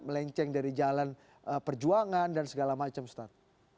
melenceng dari jalan perjuangan dan segala macam ustadz